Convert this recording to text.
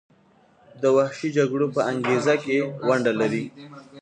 د وحشي جګړو په انګیزه کې ونډه لري.